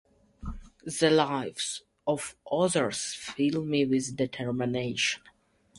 The lifes of others fill me with determination?